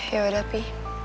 ya udah pi